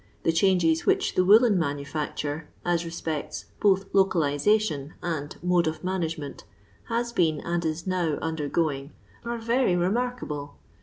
The changes which the woollen manu&ctore, as respects both localization and mode of nuuiagement, has been and is now undergoing, are very remarkable.